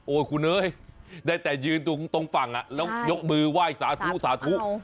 คุณเอ๋ยได้แต่ยืนตรงฝั่งแล้วยกมือไหว้สาธุสาธุ